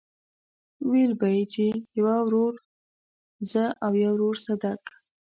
ويل به يې چې يو ورور زه او يو ورور صدک.